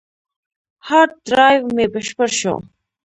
هارد ډرایو مې بشپړ شو.